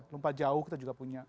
lupa jauh kita juga punya